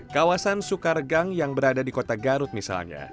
kawasan sukaregang yang berada di kota garut misalnya